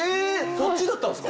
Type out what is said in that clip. そっちだったんですか？